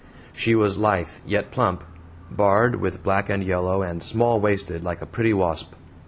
She was lithe, yet plump; barred with black and yellow and small waisted like a pretty wasp.